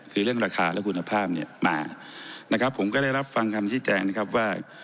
คือเรื่องราคาและคุณภาพเนี่ยมานะครับผมก็ได้รับฟังคำชี้แจงนะครับว่า